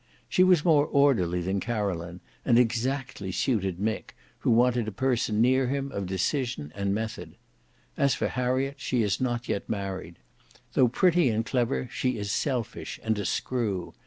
She was more orderly than Caroline, and exactly suited Mick, who wanted a person near him of decision and method. As for Harriet, she is not yet married. Though pretty and clever, she is selfish and a screw.